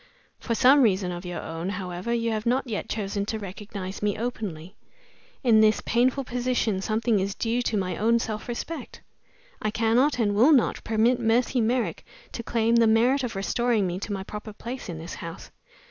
For some reason of your own, however, you have not yet chosen to recognize me openly. In this painful position something is due to my own self respect. I cannot, and will not, permit Mercy Merrick to claim the merit of restoring me to my proper place in this house.